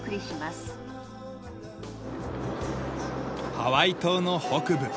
ハワイ島の北部。